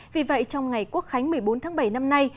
vì vậy trong ngày quốc khánh một mươi bốn tháng bảy năm nay